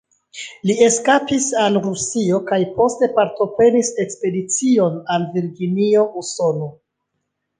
Li eskapis al Rusio kaj poste partoprenis ekspedicion al Virginio, Usono.